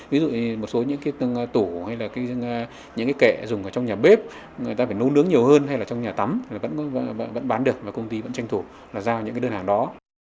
ví dụ một số những cái tủ hay là những cái kệ dùng ở trong nhà bếp người ta phải nấu nướng nhiều hơn hay là trong nhà tắm thì vẫn bán được và công ty vẫn tranh thủ là giao những cái đơn hàng đó